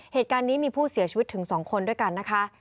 เหตุการณ์นี้มีผู้เสียชีวิตถึง๒คนด้วยกันนะคะ